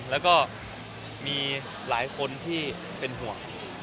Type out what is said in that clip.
แล้วก็มีหลายคนที่เป็นห่วง